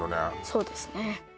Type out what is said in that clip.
そうですね